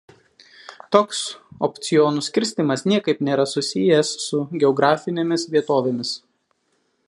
Toks opcionų skirstymas niekaip nėra susijęs su geografinėmis vietovėmis.